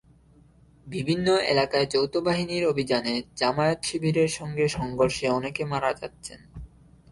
বিভিন্ন এলাকায় যৌথ বাহিনীর অভিযানে জামায়াত শিবিরের সঙ্গে সংঘর্ষে অনেকে মারা যাচ্ছেন।